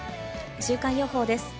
週間予報です。